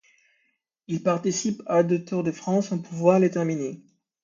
Il participe à deux Tours de France sans pouvoir les terminer.